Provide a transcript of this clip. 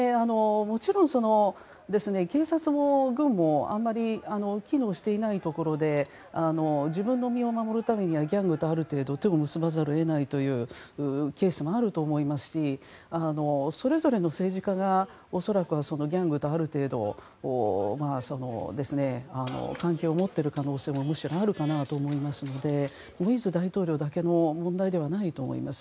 もちろん、警察も軍もあまり機能していないところで自分の身を守るためにはギャングと、ある程度手を結ばざるを得ないというケースもあると思いますしそれぞれの政治家が恐らくはギャングと、ある程度関係を持っている可能性もあるかなと思いますのでモイーズ大統領だけの問題ではないと思います。